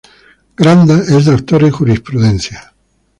Granda es doctor en Jurisprudencia.